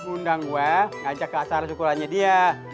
undang gue ngajak ke asar syukurannya dia